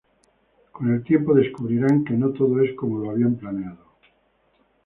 Con el tiempo descubrirán que no todo es como lo habían planeado.